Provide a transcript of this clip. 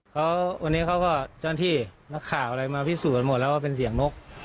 เขาวันนี้เขาก็เจ้าหน้าที่นักข่าวอะไรมาพิสูจน์หมดแล้วว่าเป็นเสียงนก